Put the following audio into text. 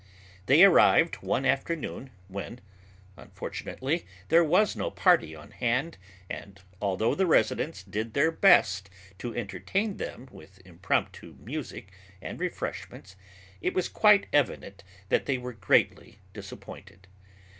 They arrived one afternoon, when, unfortunately, there was no party on hand and, although the residents did their best to entertain them with impromptu music and refreshments, it was quite evident that they were greatly disappointed.